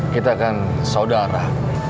kita kan saudara